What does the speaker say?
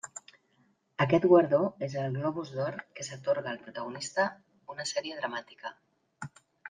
Aquest guardó és el Globus d'Or que s'atorga al protagonista una sèrie dramàtica.